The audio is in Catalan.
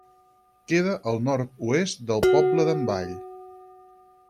Queda al nord-oest del poble d'Envall.